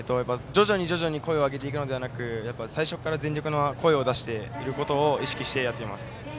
徐々に声を上げていくのではなく最初から全力の声を出していることを意識してやっています。